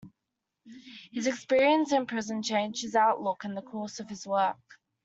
His experiences in prison changed his outlook and the course of his work.